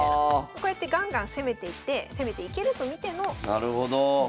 こうやってガンガン攻めていって攻めていけると見ての棒銀だったということで。